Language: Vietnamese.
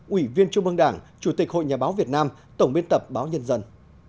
ủy viên trung ương đảng chủ tịch hội nhà báo việt nam tổng biên tập báo nhân dân